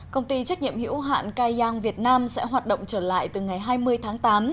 công ty trách nhiệm hữu hạn cai giang việt nam sẽ hoạt động trở lại từ ngày hai mươi tháng tám